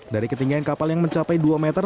dari ketinggian kapal yang mencapai dua meter